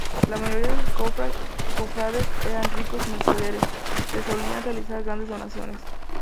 La mayoría de sus cofrades eran ricos mercaderes, que solían realizar grandes donaciones.